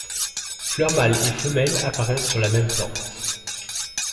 Fleurs mâles et femelles apparaissent sur la même plante.